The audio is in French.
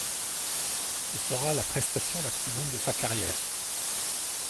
Ce sera la prestation la plus longue de sa carrière.